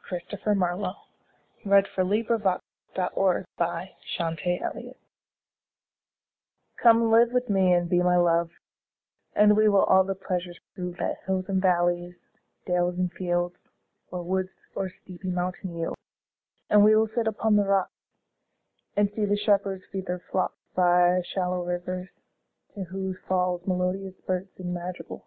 Christopher Marlowe. 1564–93 121. The Passionate Shepherd to His Love COME live with me and be my Love, And we will all the pleasures prove That hills and valleys, dales and fields, Or woods or steepy mountain yields. And we will sit upon the rocks, 5 And see the shepherds feed their flocks By shallow rivers, to whose falls Melodious birds sing madrigals.